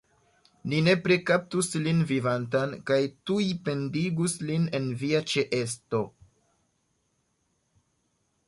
Ni nepre kaptus lin vivantan kaj tuj pendigus lin en via ĉeesto!